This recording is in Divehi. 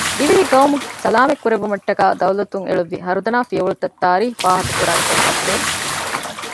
ދިވެހި ޤައުމު ސަލާމަތް ކުރެއްވުމަށްޓަކައި ދައުލަތުން އެޅުއްވި ހަރުދަނާ ފިޔަވަޅުތައް ތާރީޚް ފާހަގަކުރާނެކަން ކަށަވަރު